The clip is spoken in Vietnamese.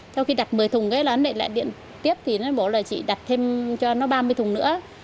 sau khi đặt một mươi thùng nó lại điện tiếp bố là chị đặt thêm cho nó ba mươi thùng nữa